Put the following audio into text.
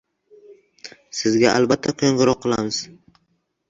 Sizga alabatta qo'ng'iroq qilamiz.